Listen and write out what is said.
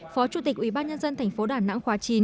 phó chủ tịch ủy ban nhân dân thành phố đà nẵng khóa chín